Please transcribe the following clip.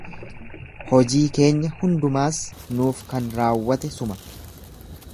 Hojii keenya hundumaas nuuf kan raawwate suma.